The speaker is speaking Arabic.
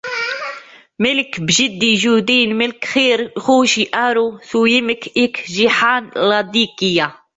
مِلك بِجدي جودن مِلكيخر خوشِ آرو سٌويمْكَ اِك جحان لدكيا